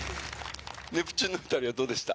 ネプチューンの２人はどうでした？